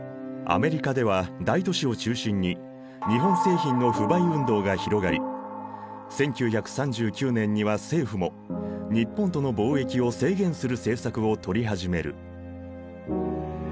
アメリカでは大都市を中心に日本製品の不買運動が広がり１９３９年には政府も日本との貿易を制限する政策を取り始める。